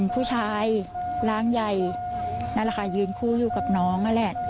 ผู้ชายล่างใหญ่ยืนอยู่กับน้อง